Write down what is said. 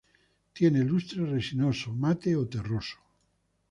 Tiene lustre resinoso, mate o terroso.